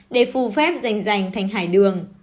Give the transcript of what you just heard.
để phù phép rành rành thành hải đường